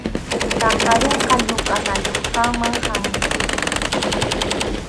Paqarinqa rukʼanayuqkama hamunkichik.